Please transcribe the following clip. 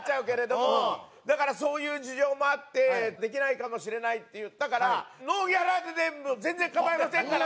だからそういう事情もあって「できないかもしれない」って言ったから「ノーギャラで全然構いませんから」